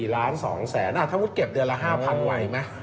๔๒๐๐๐๐๐บาทถ้าพูดเก็บเดือนละ๕๐๐๐บาทไว้ไหม